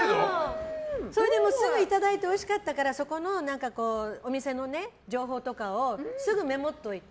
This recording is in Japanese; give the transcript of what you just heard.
それですぐいただいておいしかったからそこのお店の情報とかをすぐメモっといて。